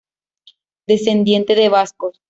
Descendiente de vascos.